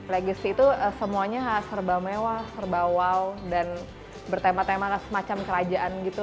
legacy itu semuanya serba mewah serba wow dan bertema tema semacam kerajaan